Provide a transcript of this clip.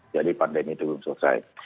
jadi pandemi itu belum selesai